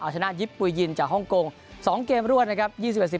ชนะยิปปุยยินจากฮ่องกง๒เกมรวดนะครับ